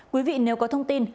quý vị nếu có thông tin